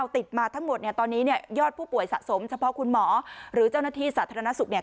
ติดมาทั้งหมดตอนนี้ยอดผู้ป่วยสะสมเฉพาะคุณหมอหรือเจ้าหน้าที่สาธารณสุข